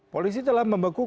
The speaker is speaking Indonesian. polisi telah membeku